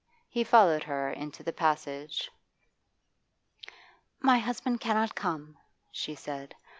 He followed her into the passage. 'My husband cannot come,' she said.